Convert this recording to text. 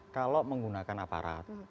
kalau menggunakan aparat